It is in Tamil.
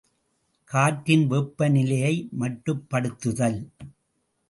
காற்றின் வெப்பநிலையை மட்டுப்படுத்துதல்.